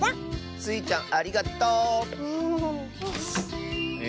スイちゃんありがとう！え